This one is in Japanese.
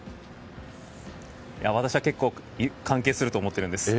私は結構関係すると思っているんです。